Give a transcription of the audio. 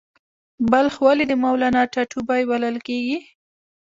بلخ ولې د مولانا ټاټوبی بلل کیږي؟